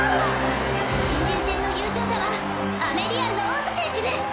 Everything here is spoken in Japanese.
新人戦の優勝者はアメリア＝ローズ選手です